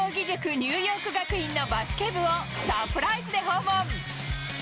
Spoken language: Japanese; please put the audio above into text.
ニューヨーク学院のバスケ部をサプライズで訪問。